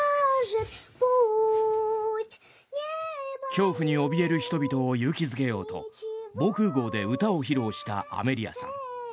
恐怖におびえる人々を勇気づけようと防空壕で歌を披露したアメリアさん。